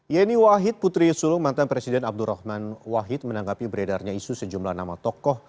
yeni wahid putri sulung mantan presiden abdurrahman wahid menanggapi beredarnya isu sejumlah nama tokoh